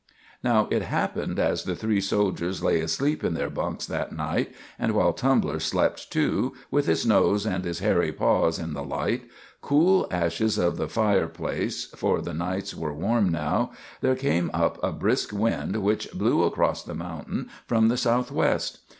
Now it happened, as the three soldiers lay asleep in their bunks that night, and while Tumbler slept too, with his nose and his hairy paws in the light, cool ashes of the fireplace (for the nights were warm now), there came up a brisk wind which blew across the mountain from the southwest.